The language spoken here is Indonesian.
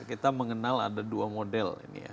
kita mengenal ada dua model ini ya